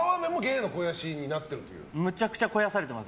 むちゃくちゃ肥やされてます。